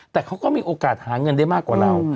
แต่เขาก็มีโอกาสหาเงินได้มากกว่าเรา